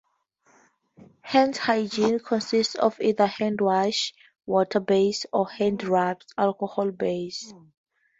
Hand hygiene consists of either hand wash(water based) or hand rubs(alcohol based).